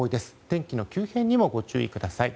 天気の急変にもご注意ください。